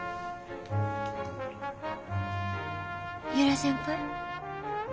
由良先輩？